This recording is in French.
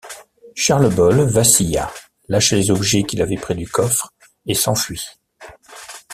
Charles Bolles vacilla, lâcha les objets qu'il avait pris du coffre et s'enfuit.